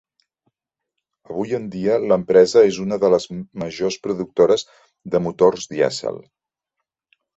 Avui en dia, l'empresa és una de les majors productores de motors dièsel.